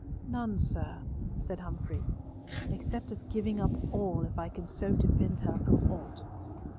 "None, sir," said Humfrey, "except of giving up all if I can so defend her from aught."